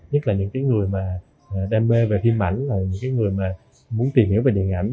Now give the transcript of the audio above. nhất là những người đam mê về phim ảnh những người muốn tìm hiểu về điện ảnh